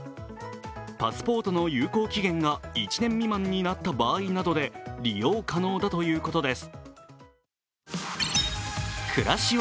パスポートの有効期限が１年未満になった場合などで利用可能だということです。